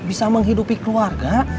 bisa menghidupi keluarga